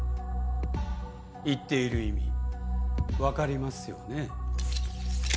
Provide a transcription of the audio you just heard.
言っている意味分かりますよね？